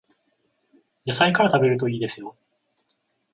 野菜から食べるといいですよ